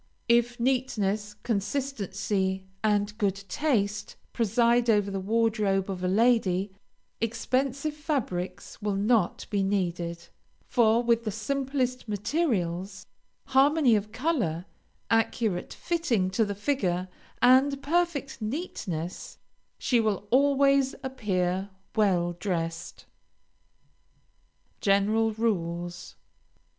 If neatness, consistency, and good taste, preside over the wardrobe of a lady, expensive fabrics will not be needed; for with the simplest materials, harmony of color, accurate fitting to the figure, and perfect neatness, she will always appear well dressed. GENERAL RULES.